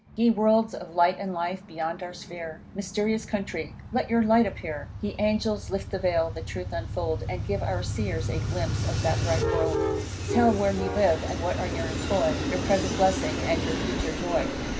Ye worlds of light and life, beyond our sphere; Mysterious country! let your light appear. Ye angels, lift the vail, the truth unfold, And give our Seers a glimpse of that bright world; Tell where ye live, and what are your employ, Your present blessing, and your future joy.